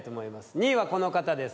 ２位はこの方です